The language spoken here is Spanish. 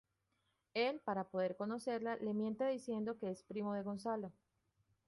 Él, para poder conocerla, le miente diciendo que es primo de Gonzalo.